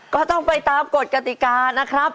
ก็ต้องไปตามกฎกติกานะครับ